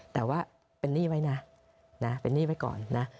แต่ว่าเป็นหนี้ไว้นะเป็นหนี้ไว้ก่อนนะ